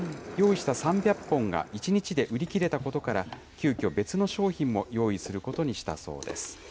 用意した３００本が１日で売り切れたことから、急きょ、別の商品も用意することにしたそうです。